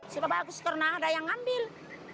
cukup bagus karena ada yang mengambil